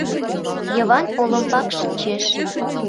Йыван олымбак шинчеш.